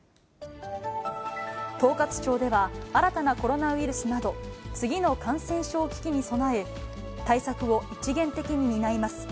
統括庁では、新たなコロナウイルスなど、次の感染症危機に備え、対策を一元的に担います。